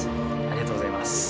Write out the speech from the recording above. ありがとうございます。